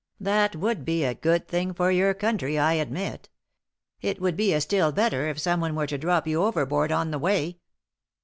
"That would be a good thing for your country, I admit It would be a still better if someone were to drop you overboard on the way."